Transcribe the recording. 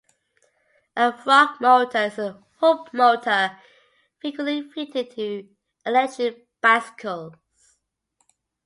A frock motor is a hub motor frequently fitted to electric bicycles.